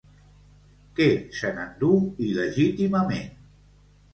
Què se n'endú il·legítimament?